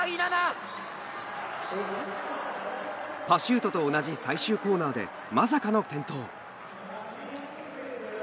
パシュートと同じ最終コーナーでまさかの転倒。